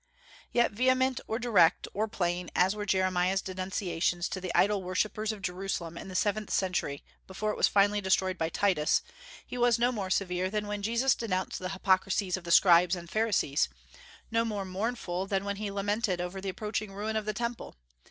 Yet vehement, or direct, or plain as were Jeremiah's denunciations to the idol worshippers of Jerusalem in the seventh century before it was finally destroyed by Titus, he was no more severe than when Jesus denounced the hypocrisy of the Scribes and Pharisees, no more mournful than when he lamented over the approaching ruin of the Temple.